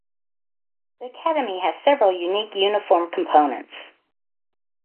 The academy has several unique uniform components.